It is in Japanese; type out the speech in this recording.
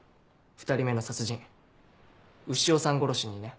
２人目の殺人潮さん殺しにね。